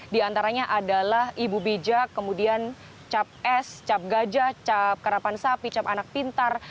di antaranya adalah ibu bijak kemudian cap es cap gajah cap karapan sapi cap anak pintar